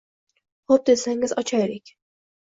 Xo‘p desangiz ochaylik